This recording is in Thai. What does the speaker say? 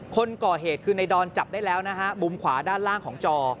คนก่อเหตุคือในดอนจับได้แล้วนะฮะมุมขวาด้านล่างของจอ